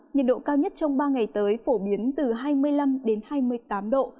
nhiệt độ cao nhất trong ba ngày tới phổ biến từ hai mươi năm đến hai mươi tám độ